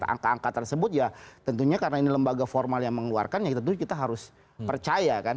angka angka tersebut ya tentunya karena ini lembaga formal yang mengeluarkan ya tentu kita harus percaya kan